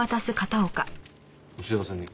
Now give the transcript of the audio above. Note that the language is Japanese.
お幸せに。